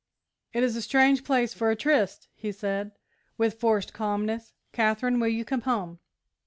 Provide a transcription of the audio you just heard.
"It is a strange place for a tryst," he said, with forced calmness. "Katherine, will you come home?"